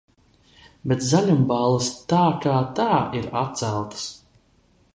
Bet zaļumballes tā kā tā ir atceltas.